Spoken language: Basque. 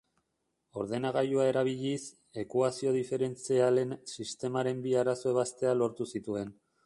Ordenagailua erabiliz, ekuazio diferentzialen sistemaren bi arazo ebaztea lortu zituen.